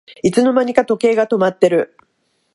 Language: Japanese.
いつの間にか時計が止まってる